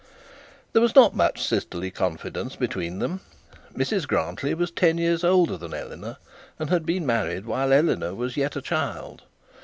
There was not much sisterly confidence between them. Mrs Grantly was ten years older than Eleanor, and had been married while Eleanor was yet a child.